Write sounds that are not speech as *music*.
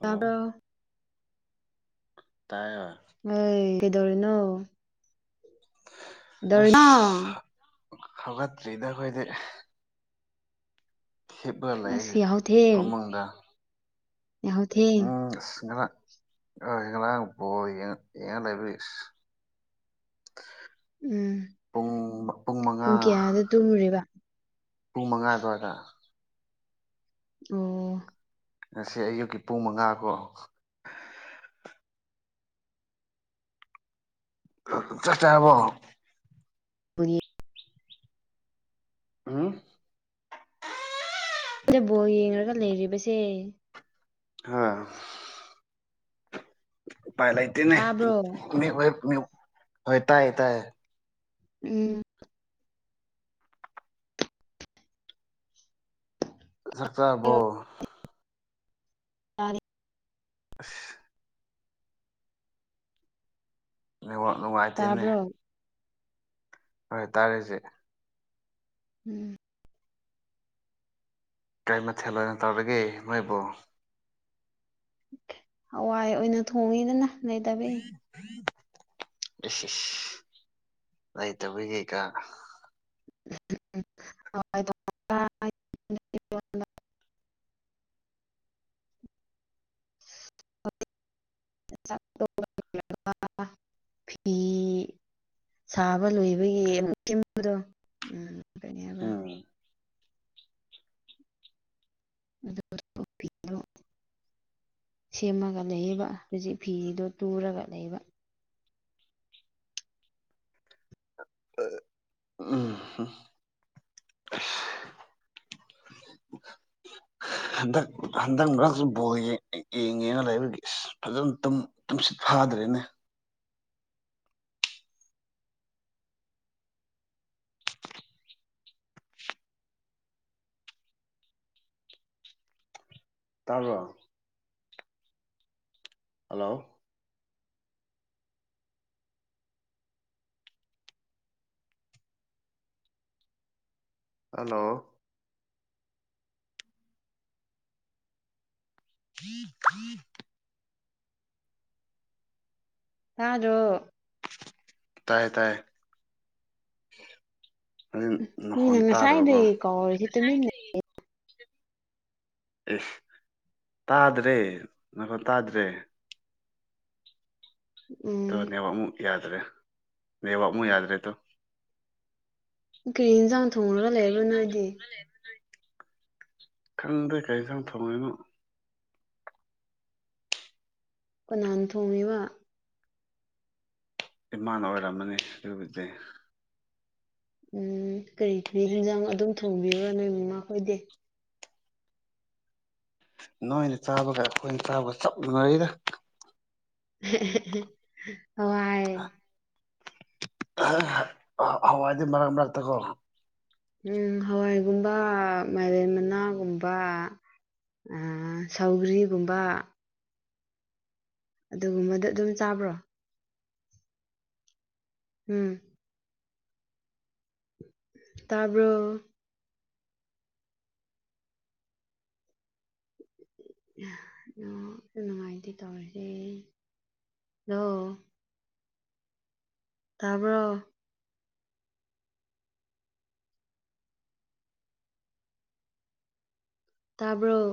hello ꯇꯕ꯭ꯔꯣ UNINTELLIGIBLE ꯅꯣꯏ ꯀꯩꯗꯧꯔꯤꯅꯣ ꯀꯩꯗꯧꯔꯤꯅꯣ ꯑꯥꯁ ꯍꯧꯒꯠꯇ꯭ꯔꯤꯗ ꯑꯩꯈꯣꯏꯗꯤ ꯍꯤꯞꯂ ꯑꯁ ꯂꯩꯔꯦ ꯌꯥꯍꯧꯊꯦꯡ ꯐꯃꯨꯡꯗ ꯌꯥꯍꯧꯊꯦꯡ ꯎꯝ ꯑꯁ ꯉꯔꯥꯛ ꯑꯥ ꯉꯔꯥꯡ ꯕꯣꯜ ꯌꯦꯡꯉ ꯌꯦꯡꯉ ꯂꯩꯕꯩ ꯎꯝ ꯄꯨꯡ ꯄꯨꯡ ꯃꯉꯥ ꯀꯌꯥꯗ ꯇꯨꯝꯃꯨꯔꯤꯕ ꯄꯨꯡ ꯃꯉꯥ ꯑꯗꯨꯋꯥꯏꯗ ꯎꯝ ꯉꯁꯤ ꯑꯌꯨꯛꯀꯤ ꯄꯨꯡ ꯃꯉꯥ ꯀꯣ ꯑꯥ ꯆꯥꯛ ꯆꯥꯔꯕꯣ ꯍꯨꯡ ꯅꯪꯖꯦ ꯕꯣꯜ ꯌꯦꯡꯔꯒ ꯂꯩꯔꯤꯕꯁꯦ ꯍꯥ ꯎꯄꯥꯏ ꯂꯩꯇꯦꯅꯦ ꯇꯥꯕ꯭ꯔꯣ *unintelligible* ꯍꯣꯏ ꯇꯥꯏ ꯇꯥꯏꯌꯦ ꯎꯝ ꯆꯥꯛꯆꯥꯕꯣ ꯑꯥ ꯅꯤ ꯑꯁ ꯅꯦꯠꯋꯥꯛ ꯅꯨꯡꯉꯥꯏꯇꯦꯅꯦ ꯇꯥꯕ꯭ꯔꯣ ꯍꯣꯏ ꯇꯥꯔꯦ ꯍꯩꯖꯤꯛ ꯎꯝ ꯀꯩ ꯃꯊꯦꯜ ꯑꯣꯏꯅ ꯇꯧꯔꯒꯦ ꯅꯣꯏꯕꯣ ꯍꯋꯥꯏ ꯑꯣꯏꯅ ꯊꯣꯡꯉꯤꯗꯅ ꯂꯩꯇꯕꯩ *unintelligible* ꯏꯁꯏꯁ ꯂꯩꯇꯕꯒꯤꯀꯣ *unintelligible* *unintelligible* ꯆꯤ ꯁꯥꯕ ꯂꯣꯏꯕꯒꯤ ꯑꯃꯨꯛ ꯁꯦꯝꯕꯥꯗꯣ ꯎꯝ ꯍꯥꯏꯕ꯭ꯔꯥ ꯑꯥ *unintelligible* ꯁꯦꯝꯃꯒ ꯂꯩꯌꯦꯕ ꯍꯧꯖꯤꯛ ꯐꯤꯗꯣ ꯇꯨꯔꯒ ꯂꯩꯕ *unintelligible* ꯎꯝ ꯍꯨꯝ ꯑꯁ *inaudible* ꯍꯟꯗꯛ ꯍꯟꯗꯛ ꯃꯔꯛꯁꯨ ꯕꯣꯜ ꯌꯦꯡ ꯌꯦꯡꯉꯦꯅ ꯂꯩꯕꯒꯤ ꯑꯁ ꯐꯖꯅ ꯇꯨꯝ ꯇꯨꯝꯁꯤꯠ ꯐꯥꯗ꯭ꯔꯦꯅꯦ ꯇꯥꯕꯔꯣ ꯍꯜꯂꯣ ꯍꯜꯂꯣ *unintelligible* ꯇꯥꯗꯔꯣ ꯇꯥꯏ ꯇꯥꯏ ꯍꯨꯝ ꯅꯃꯈꯣꯟ ꯇꯥꯗꯕꯀꯣ ꯀꯧꯔꯗꯤ ꯇꯨꯃꯤꯟꯅ ꯏꯁ ꯇꯥꯗ꯭ꯔꯦ ꯉꯥꯏꯈꫭ ꯇꯥꯗ꯭ꯔꯦ ꯇꯣ ꯎꯝ ꯅꯦꯋꯥꯃꯨꯛ ꯑꯃꯨꯛ ꯌꯥꯗ꯭ꯔꯦ ꯅꯦꯋꯥꯃꯨꯛ ꯑꯃꯨꯛ ꯌꯥꯗ꯭ꯔꯦ ꯇꯣ ꯎꯝ‌ ꯀꯩ ꯏꯟꯁꯥꯡ ꯊꯣꯡꯉꯔꯥꯒ ꯂꯩꯕ꯭ꯔꯥ ꯅꯣꯏꯗꯤ ꯈꯪꯗꯔꯦ ꯀꯩ ꯏꯟꯁꯥꯡ ꯊꯣꯡꯉꯤꯅꯣ ꯀꯅꯥꯟꯅ ꯊꯣꯡꯉꯤꯕ ꯏꯃꯥꯅ ꯑꯣꯏꯔꯝꯃꯅꯤ ꯑꯗꯨꯕꯨꯗꯤ ꯎꯝ ꯀꯔꯤ ꯀꯔꯤ ꯍꯤꯟꯖꯥꯡ ꯑꯗꯨꯝ ꯊꯣꯡꯕꯤꯕ꯭ꯔꯥ ꯅꯣꯏ ꯃꯃꯥ ꯈꯣꯏꯗꯤ ꯅꯣꯏꯅ ꯆꯥꯕꯒ ꯑꯩꯈꯣꯏꯅ ꯆꯥꯕꯒ ꯆꯞ ꯃꯥꯟꯅꯩꯗ *unintelligible* *unintelligible* ꯍꯋꯥꯏꯗꯤ ꯃꯔꯛ ꯃꯔꯛꯇꯀꯣ ꯎꯝ ꯍꯋꯥꯏꯒꯨꯝꯕ ꯃꯥꯏꯔꯦꯟ ꯃꯅꯥꯒꯨꯝꯕ ꯑꯥ ꯁꯧꯒ꯭ꯔꯤꯒꯨꯝꯕ ꯑꯗꯨꯒꯨꯝꯕꯗꯨ ꯑꯗꯨꯝ ꯆꯥꯕ꯭ꯔꯣ ꯎꯝ ꯇꯥꯕ꯭ꯔꯣ ꯑꯣ ꯅꯨꯡꯉꯥꯏꯇꯦ ꯇꯧꯔꯤꯁꯦ ꯍꯜꯂꯣ ꯇꯥꯕ꯭ꯔꫭ ꯇꯥꯕ꯭ꯔꫭ